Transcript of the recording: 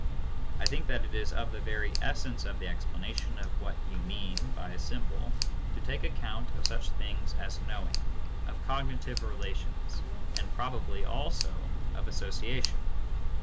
I think that it is of the very essence of the explanation of what you mean by a symbol to take account of such things as knowing, of cognitive relations, and probably also of association.